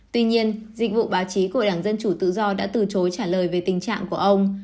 tuy nhiên dịch vụ báo chí của đảng dân chủ tự do đã từ chối trả lời về tình trạng của ông